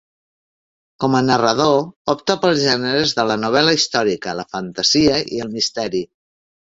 Com a narrador, opta pels gèneres de la novel·la històrica, la fantasia i el misteri.